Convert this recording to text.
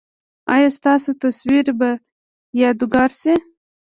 ایا ستاسو تصویر به یادګار شي؟